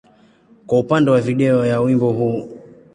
kwa upande wa video ya wimbo huu.